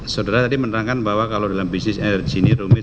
saudara tadi menerangkan bahwa kalau dalam bisnis energi ini rumit